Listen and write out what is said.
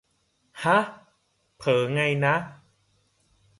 ห๊ะ เผลอไงนะ